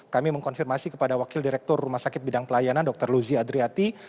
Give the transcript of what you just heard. kami mengkonfirmasi kepada wakil direktur rumah sakit bidang pelayanan dr luzi adriati